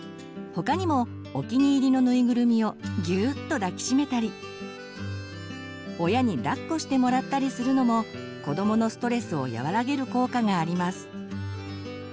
他にもお気に入りのぬいぐるみをギューッと抱き締めたり親にだっこしてもらったりするのも子どものストレスを和らげる効果があります。